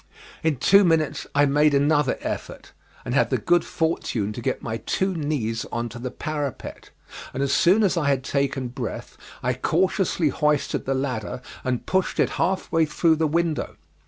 In two minutes I made another effort, and had the good fortune to get my two knees on to the parapet, and as soon as I had taken breath I cautiously hoisted the ladder and pushed it half way through the window.